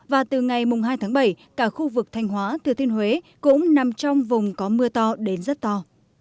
và từ ngày hai tháng bảy cả khu vực thanh hóa thừa thiên huế cũng nằm trong vùng có mưa to đến rất to